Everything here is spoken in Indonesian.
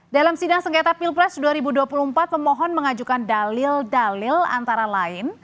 dalam sidang sengketa pilpres dua ribu dua puluh empat pemohon mengajukan dalil dalil antara lain